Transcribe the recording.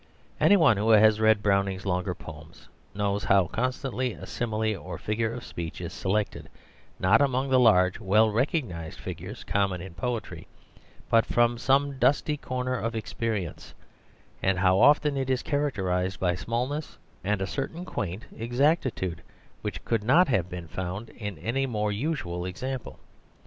Any one who has read Browning's longer poems knows how constantly a simile or figure of speech is selected, not among the large, well recognised figures common in poetry, but from some dusty corner of experience, and how often it is characterised by smallness and a certain quaint exactitude which could not have been found in any more usual example.